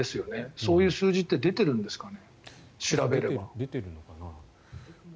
そういう数字って出てるんですかね。